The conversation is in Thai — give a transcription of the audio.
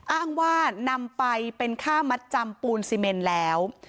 อ้างว่านำไปเป็นค่ามัดจำปูนซีเมนแล้ว